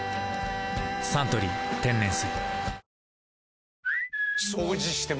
「サントリー天然水」